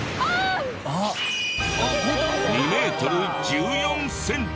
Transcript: ２メートル１４センチ。